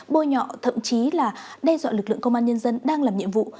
bôi nhọ thậm chí là đe dọa lực lượng công an nhân dân đang làm nhiệm vụ